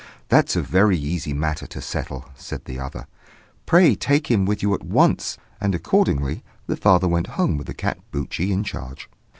"'That's a very easy matter to settle,' said the other: 'pray take him with you at once;' and accordingly the father went home with the cat Buchi in charge.